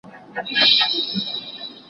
چي مي هر څه غلا کول دې نازولم